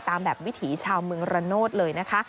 ตามแบบวิถีชาวเมืองระโนธเลยนะคะ